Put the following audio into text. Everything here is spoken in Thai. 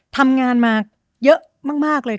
ทำงานมาเยอะมากเลย